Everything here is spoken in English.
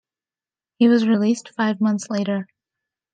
He was released five months later.